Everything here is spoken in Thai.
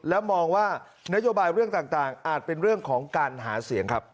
และมองว่านโยบายเรื่องต่างอาจเป็นเรื่องของการหาเสียงครับ